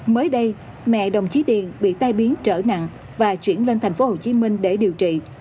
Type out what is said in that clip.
mới đây mẹ đồng chí điền bị tai biến trở nặng và chuyển lên thành phố hồ chí minh để điều trị